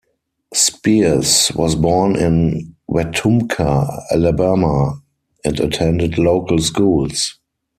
Spiers was born in Wetumpka, Alabama, and attended local schools.